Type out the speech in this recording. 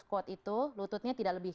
squat itu lututnya tidak lebih